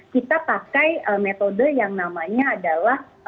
kita pakai metode yang namanya adalah